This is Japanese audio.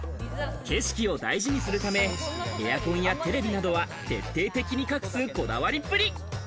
景色を大事にするため、エアコンやテレビなどは徹底的に隠すこだわりっぷり。